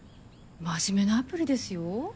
真面目なアプリですよ。